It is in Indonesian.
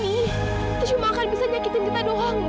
ini cuma akan bisa nyakitin kita doang ibu